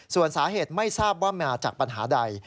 ส่วนสาเหตุไม่ทราบว่ามาจากปัญหาใด